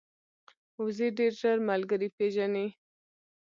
وزې ډېر ژر ملګري پېژني